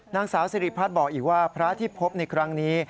นางสาวสิริพัฒน์บอกอีกว่าพระที่พบในครั้งนี้